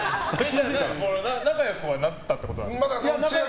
仲良くはなったってことなんですか？